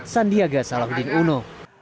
sandiaga salahuddin uno